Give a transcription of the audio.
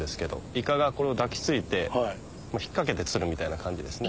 イカがこれに抱きついて引っ掛けて釣るみたいな感じですね。